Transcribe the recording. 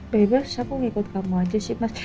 bebas aku ngikut kamu aja sih mas